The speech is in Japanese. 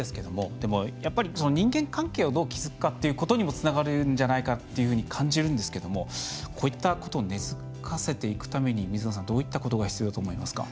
でも、やっぱり人間関係をどう築くかということにもつながるんじゃないかと感じるんですけどもこういったことを根づかせていくために水野さん、どういったことが必要だと思いますか。